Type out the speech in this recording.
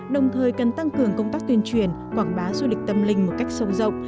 đồng thời cần tăng cường công tác tuyên truyền quảng bá du lịch tâm linh một cách sâu rộng